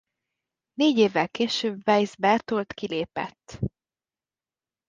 Négy évvel később Weiss Bertold kilépett.